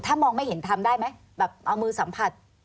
ถ้ามองไม่เห็นทำได้ไหมแบบเอามือสัมผัส